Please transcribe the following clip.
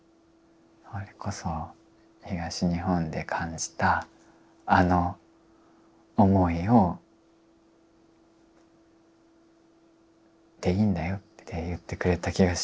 それこそ東日本で感じたあの思いをでいいんだよって言ってくれた気がしてですね